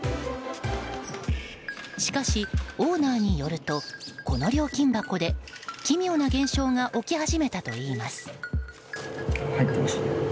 しかし、オーナーによるとこの料金箱で奇妙な現象が起き始めたといいます。